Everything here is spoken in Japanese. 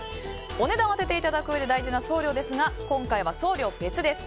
お値段を当てていただくうえで大事な送料ですが今回は送料別です。